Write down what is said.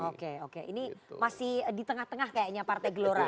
oke oke ini masih di tengah tengah kayaknya partai gelora